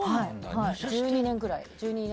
１２年ぐらい。